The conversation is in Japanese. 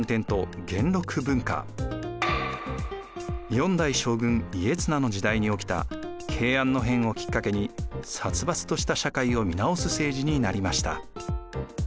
４代将軍・家綱の時代に起きた慶安の変をきっかけに殺伐とした社会を見直す政治になりました。